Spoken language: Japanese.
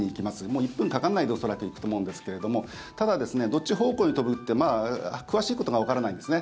もう、１分かからないで恐らく行くと思うんですけれどもただ、どっち方向に飛ぶって詳しいことがわからないんです。